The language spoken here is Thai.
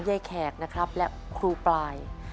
แขกนะครับและครูปลาย